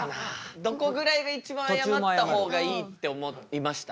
どこぐらいが一番あやまった方がいいって思いました？